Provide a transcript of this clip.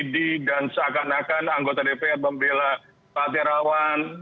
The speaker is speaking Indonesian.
dan seakan akan anggota dprn membela pak tirawan